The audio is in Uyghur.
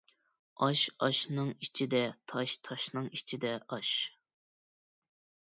ئاش ئاشنىڭ ئىچىدە تاش تاشنىڭ ئىچىدە ئاش